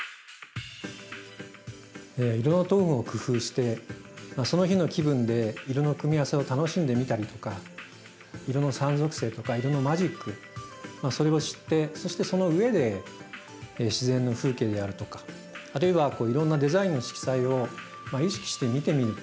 色のトーンを工夫してその日の気分で色の組み合わせを楽しんでみたりとか色の３属性とか色のマジックそれを知ってそしてその上で自然の風景であるとかあるいはいろんなデザインの色彩を意識して見てみる。